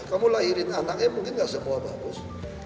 kamu lahirin anaknya mungkin gak semua bagus